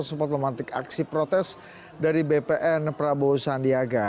sempat memantik aksi protes dari bpn prabowo sandiaga